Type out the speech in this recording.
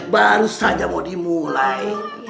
baru saja mau dimulai